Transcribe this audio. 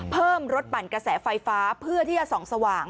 เพิ่มรถปั่นกระแสไฟฟ้าเพื่อที่จะส่องสว่าง